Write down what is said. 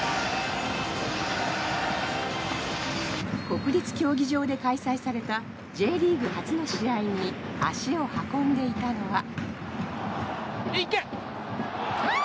国立競技場で開催されたＪリーグ初の試合に足を運んでいたのは。